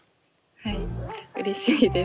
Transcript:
はいうれしいです。